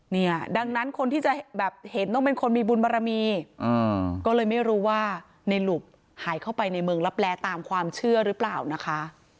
เนี่ยดังนั้นคนที่จะแบบเห็นต้องเป็นคนมีบุญบารมีก็เลยไม่รู้ว่าในหลุบหายเข้าไปในเมืองลับแลตามความเชื่อหรือเปล่านะคะ